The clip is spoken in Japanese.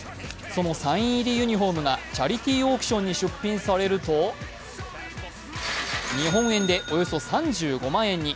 そのサイン入りユニフォームがチャリティーオークションに出品されると日本円でおよそ３５万円に。